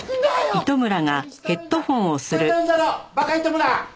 バカ糸村！